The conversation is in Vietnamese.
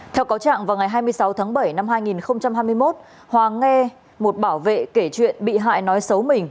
theo cáo trạng vào ngày hai mươi sáu tháng bảy năm hai nghìn hai mươi một hòa nghe một bảo vệ kể chuyện bị hại nói xấu mình